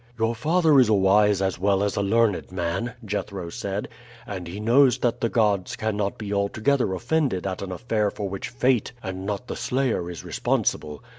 "Your father is a wise as well as a learned man," Jethro said: "and he knows that the gods cannot be altogether offended at an affair for which fate and not the slayer is responsible.